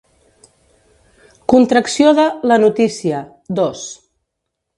Contracció de “la notícia”; dos.